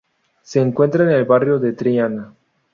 Se encuentra en el barrio de Triana.